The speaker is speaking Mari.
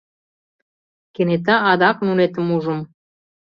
Кенета адак нунетым ужым.